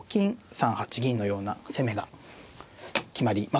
３八銀のような攻めが決まりますね